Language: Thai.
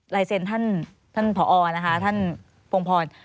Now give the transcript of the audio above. ลายเซ็นต์ท่านพ่ออ่อนท่านโผงพร